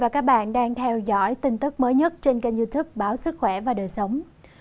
và các bạn đang theo dõi tin tức mới nhất trên kênh youtube báo sức khỏe và đời sống